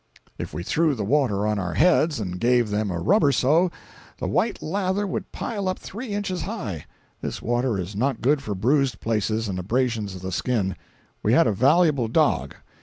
If we threw the water on our heads and gave them a rub or so, the white lather would pile up three inches high. This water is not good for bruised places and abrasions of the skin. We had a valuable dog.